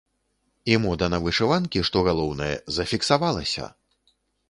І мода на вышыванкі, што галоўнае, зафіксавалася!